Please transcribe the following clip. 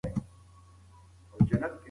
د پښتنو تاریخ په مړانه او سرښندنې ډک دی.